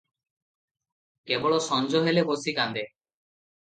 କେବଳ ସଞ୍ଜ ହେଲେ ବସି କାନ୍ଦେ ।